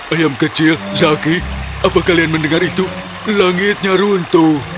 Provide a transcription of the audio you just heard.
ayam kecil zaki apa kalian mendengar itu langitnya runtuh